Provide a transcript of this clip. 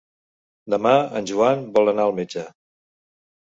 Demà en Joan vol anar al metge.